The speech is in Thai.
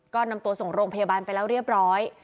ก็นำตัวส่งโรงพยาบาลไปแล้วเรียบร้อย